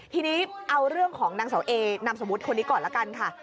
ทีนี้เอาเรื่องของนางเสาเอนามสมมุติคนนี้ก่อนละกันค่ะ